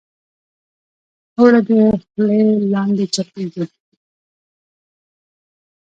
اوړه د خولې لاندې چپېږي